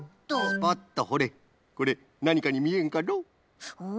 スポッとほれこれなにかにみえんかの？